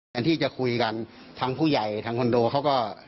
อย่างที่จะคุยกันทั้งผู้ใหญ่ทั้งคอนโดเขาก็